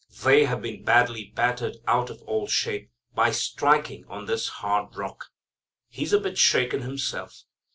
They have been badly battered out of all shape by striking on this hard rock. He's a bit shaken himself.